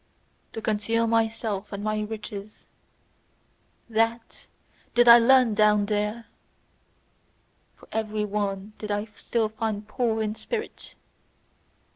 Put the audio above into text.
To conceal myself and my riches THAT did I learn down there: for every one did I still find poor in spirit.